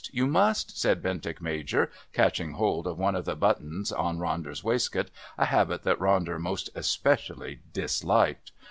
You must!" said Bentinck Major, catching hold of one of the buttons on Ronder's waistcoat, a habit that Ronder most especially disliked.